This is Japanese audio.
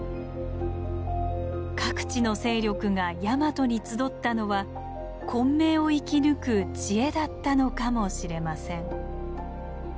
各地の勢力がヤマトに集ったのは混迷を生き抜く知恵だったのかもしれません。